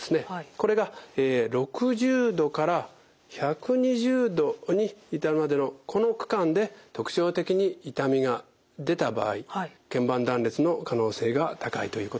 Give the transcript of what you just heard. これが６０度から１２０度に至るまでのこの区間で特徴的に痛みが出た場合けん板断裂の可能性が高いということになります。